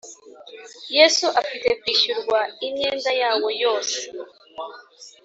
Yesu afite kwishyurwa imyenda yawo yose